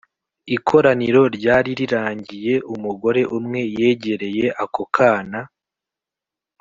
ikoraniro ryari rirangiye umugore umwe yegereye ako kana